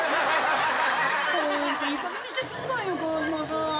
ホントいいかげんにしてちょうだいよカワシマさん。